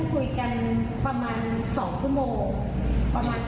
อ่าเค้าเริ่มนวดไปไหนก่อน